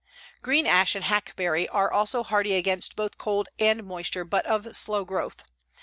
Green ash and hackberry are also hardy against both cold and moisture, but of slow growth.